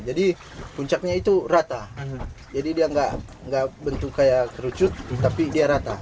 jadi puncaknya itu rata jadi dia nggak bentuk kayak kerucut tapi dia rata